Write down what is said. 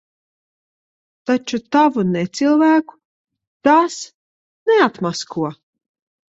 Taču tavu necilvēku tas neatmasko.